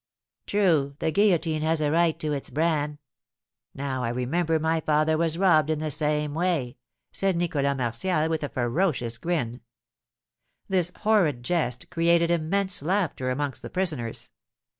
"True, the guillotine has a right to its bran. Now, I remember my father was robbed in the same way," said Nicholas Martial, with a ferocious grin. This horrid jest created immense laughter amongst the prisoners.